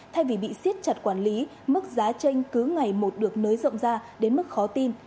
thay vì bị siết chặt quản lý mức giá tranh cứ ngày một được nới rộng ra đến mức khó tin